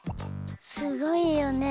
すごいよね。